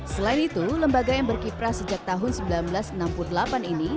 selain itu lembaga yang berkiprah sejak tahun seribu sembilan ratus enam puluh delapan ini